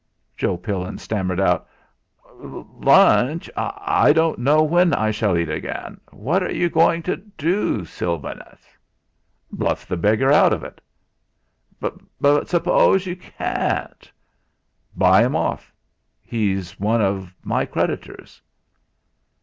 Joe Pillin stammered out: "Lunch! I don't know when I shall eat again. What are you going to do, Sylvanus?" "Bluff the beggar out of it." "But suppose you can't?" "Buy him off. He's one of my creditors."